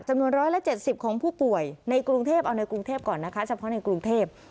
จำนวน๑๗๐ของผู้ป่วยในกรุงเทพเอาในกรุงเทพก่อนนะคะเฉพาะในกรุงเทพ